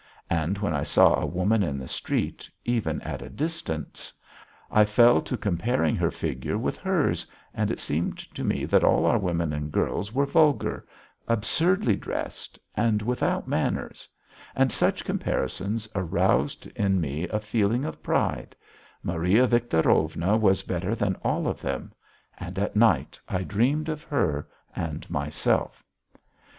And when I saw a woman in the street, even at a distance, I fell to comparing her figure with hers, and it seemed to me that all our women and girls were vulgar, absurdly dressed, and without manners; and such comparisons roused in me a feeling of pride; Maria Victorovna was better than all of them. And at night I dreamed of her and myself.